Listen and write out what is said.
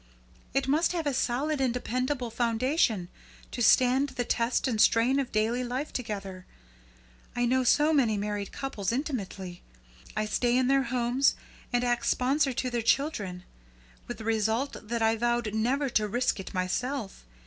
It must have a solid and dependable foundation, to stand the test and strain of daily life together. I know so many married couples intimately. I stay in their homes, and act sponsor to their children; with the result that I vowed never to risk it myself.